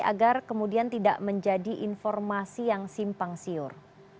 agar kemudian tidak menjadi informasi yang simpang siur